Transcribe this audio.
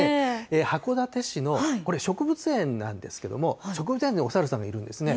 函館市のこれ、植物園なんですけれども、植物園にお猿さんがいるんですね。